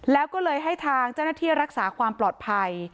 แล้วก็เลยให้ทางเจ้าหน้าที่รักษาความปลอดภัย